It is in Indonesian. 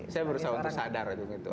saya berusaha untuk sadar